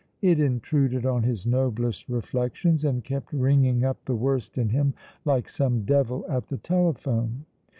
It intruded on his noblest reflections, and kept ringing up the worst in him like some devil at the telephone.